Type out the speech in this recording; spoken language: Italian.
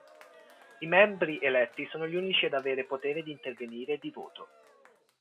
I membri eletti sono gli unici ad avere potere di intervenire e di voto.